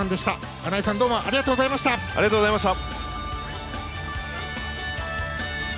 穴井さんどうもありがとうございました。